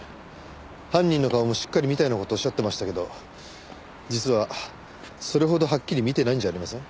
犯人の顔もしっかり見たような事仰ってましたけど実はそれほどはっきり見てないんじゃありません？